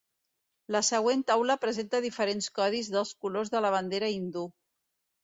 La següent taula presenta diferents codis dels colors de la bandera hindú.